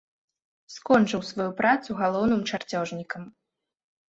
Скончыў сваю працу галоўным чарцёжнікам.